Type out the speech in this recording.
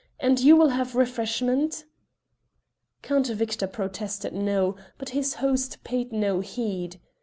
And you will have refreshment?" Count Victor protested no, but his host paid no heed.